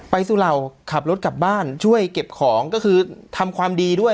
สุเหล่าขับรถกลับบ้านช่วยเก็บของก็คือทำความดีด้วย